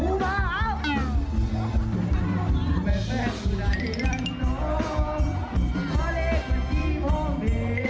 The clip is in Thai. สบัดข้าวเด็ก